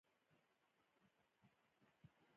د نساجي صنعت په حال د ودې دی